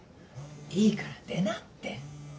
いいから出なって。